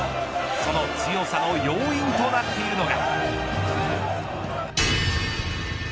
その強さの要因となっているのが。